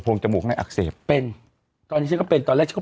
จมูกในอักเสบเป็นตอนนี้ฉันก็เป็นตอนแรกฉัน